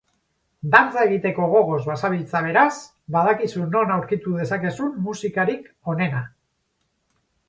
Dantza egiteko gogoz bazabiltza beraz, badakizu non aurkitu dezakezun musikarik onena!